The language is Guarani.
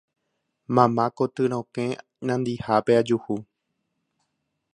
mamá koty rokẽ nandihápe ajuhu